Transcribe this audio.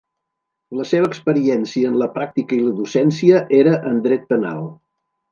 La seva experiència en la pràctica i la docència era en dret penal.